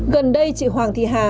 gần đây chị hoàng thị hà